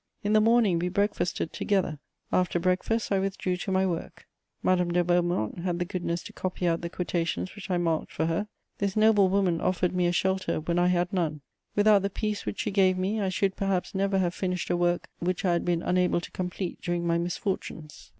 In the morning, we breakfasted together; after breakfast, I withdrew to my work; Madame de Beaumont had the goodness to copy out the quotations which I marked for her. This noble woman offered me a shelter when I had none: without the peace which she gave me, I should perhaps never have finished a work which I had been unable to complete during my misfortunes.